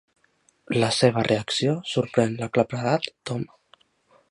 La seva reacció sorprèn l'aclaparat Tom.